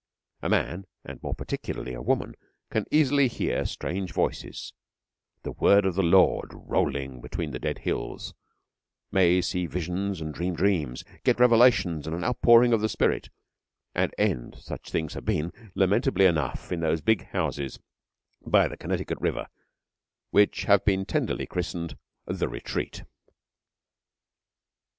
A man, and more particularly a woman, can easily hear strange voices the Word of the Lord rolling between the dead hills; may see visions and dream dreams; get revelations and an outpouring of the spirit, and end (such things have been) lamentably enough in those big houses by the Connecticut River which have been tenderly christened The Retreat.